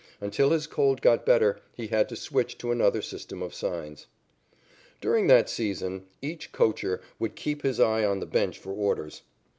Until his cold got better, he had to switch to another system of signs. During that season, each coacher would keep his eye on the bench for orders.